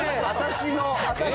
私の？